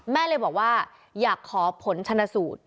แม่เลยบอกว่าอยากขอผลชนะสูตร